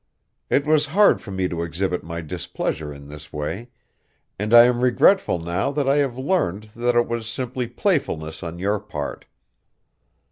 It was hard for me to exhibit my displeasure in this way, and I am regretful now that I have learned that it was simply playfulness on your part.